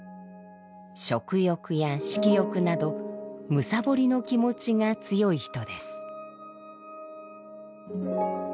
食欲や色欲など「むさぼりの気持ち」が強い人です。